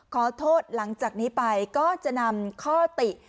ขอโทษหลังจากนี้ไปก็จะนำข้อติ